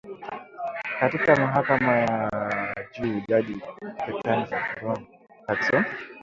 katika mahakama ya juu jaji Ketanji Brown Jackson